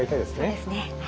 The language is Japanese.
そうですね。